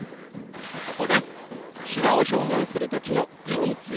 そこで手話を表現する時の手についてです。